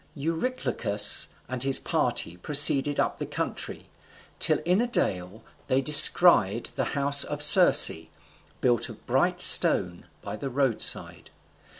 Eurylochus and his party proceeded up the country, till in a dale they descried the house of Circe, built of bright stone, by the roadside.